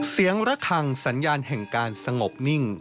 ระคังสัญญาณแห่งการสงบนิ่ง